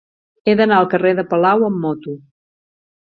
He d'anar al carrer de Palau amb moto.